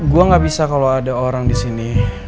gue gak bisa kalau ada orang di sini